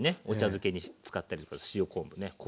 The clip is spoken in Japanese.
お茶漬けに使ったり塩昆布ね。